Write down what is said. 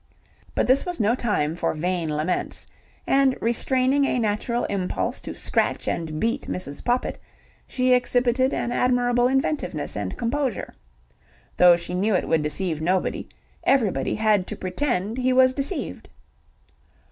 But this was no time for vain laments, and restraining a natural impulse to scratch and beat Mrs. Poppit, she exhibited an admirable inventiveness and composure. Though she knew it would deceive nobody, everybody had to pretend he was deceived.